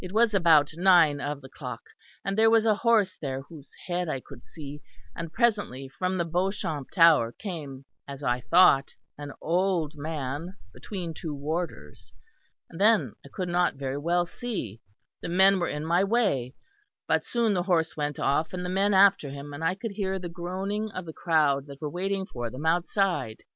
It was about nine of the clock. And there was a horse there whose head I could see; and presently from the Beauchamp Tower came, as I thought, an old man between two warders; and then I could not very well see; the men were in my way; but soon the horse went off, and the men after him; and I could hear the groaning of the crowd that were waiting for them outside.